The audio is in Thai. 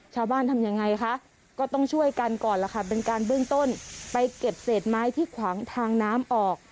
ทำยังไงคะก็ต้องช่วยกันก่อนล่ะค่ะเป็นการเบื้องต้นไปเก็บเศษไม้ที่ขวางทางน้ำออก